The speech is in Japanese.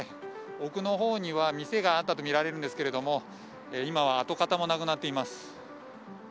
奥のほうには店があったとみられますが今は跡形もなくなっています。